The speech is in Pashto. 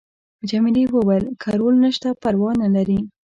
جميلې وويل:: که رول نشته پروا نه لري.